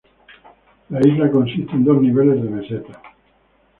La isla consiste en dos niveles de meseta.